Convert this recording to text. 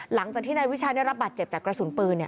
หลังจากที่นายวิชัยได้รับบาดเจ็บจากกระสุนปืน